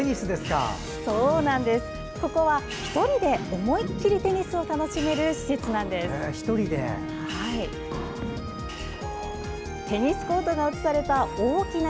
ここは、１人で思いっきりテニスを楽しめる施設なんです。